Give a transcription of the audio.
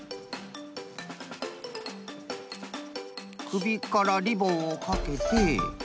くびからリボンをかけて。